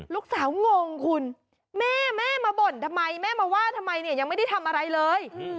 งงคุณแม่แม่มาบ่นทำไมแม่มาว่าทำไมเนี่ยยังไม่ได้ทำอะไรเลย